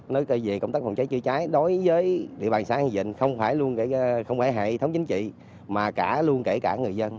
nói về công tác phòng cháy chữa cháy đối với địa bàn xã hàng vịnh không phải luôn hệ thống chính trị mà luôn kể cả người dân